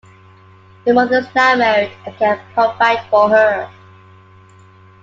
Her mother is now married and can provide for her.